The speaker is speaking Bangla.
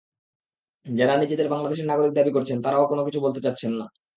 যাঁরা নিজেদের বাংলাদেশের নাগরিক দাবি করছেন, তাঁরাও কোনো কিছু বলতে চাচ্ছেন না।